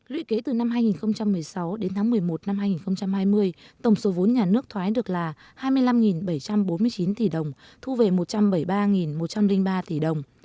lũy kế từ năm hai nghìn một mươi sáu đến tháng một mươi một năm hai nghìn hai mươi tổng số vốn nhà nước thoái được là hai mươi năm bảy trăm bốn mươi chín tỷ đồng thu về một trăm bảy mươi ba một trăm linh ba tỷ đồng